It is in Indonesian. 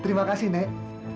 terima kasih nek